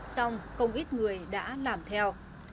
xong không ít người đã làm theo